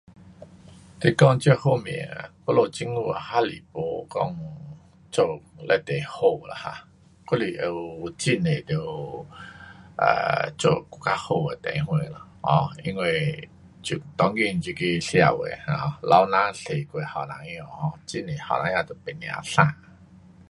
是讲这方面，咱们政府还是没讲做非常好啦 um，还是得，有很多能 um 做更加好的地方，um 因为得当今这个社会 um 老人多过年轻儿，um 很多年轻儿都不要生。